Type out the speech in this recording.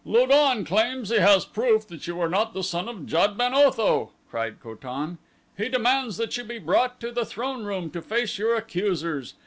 "Lu don claims he has proof that you are not the son of Jad ben Otho," replied Ko tan. "He demands that you be brought to the throneroom to face your accusers.